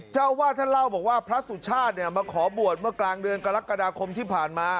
เจ้าวาดท่านเล่าบอกว่าพระสุชาติเนี่ยมาขอบวชเมื่อกลางเดือนกรกฎาคมที่ผ่านมา